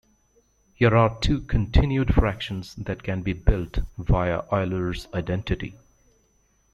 Here are two continued fractions that can be built via Euler's identity.